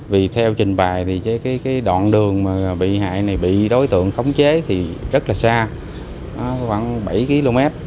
vì theo trình bài thì cái đoạn đường mà bị hại này bị đối tượng khống chế thì rất là xa khoảng bảy km